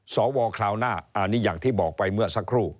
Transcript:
สวคราวหน้าอันนี้อย่างที่บอกไปเมื่อสักครู่